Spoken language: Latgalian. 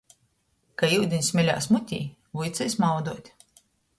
Ka iudiņs smeļās mutē, vuicīs mauduot.